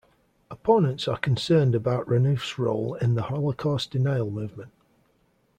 Opponents are concerned about Renouf's role in the Holocaust denial movement.